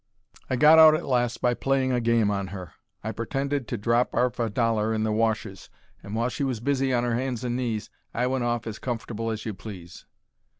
I got out at last by playing a game on her. I pertended to drop 'arf a dollar in the washus, and while she was busy on 'er hands and knees I went off as comfortable as you please.